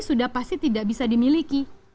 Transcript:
sudah pasti tidak bisa dimiliki